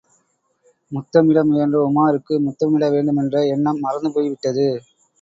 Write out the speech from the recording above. முத்தமிட முயன்ற உமாருக்கு முத்தமிட வேண்டுமென்ற எண்ணம் மறந்து போய் விட்டது.